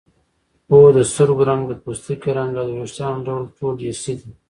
هو د سترګو رنګ د پوستکي رنګ او د وېښتانو ډول ټول ارثي دي